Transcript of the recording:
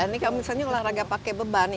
ini kalau misalnya olahraga pakai beban ini apa ya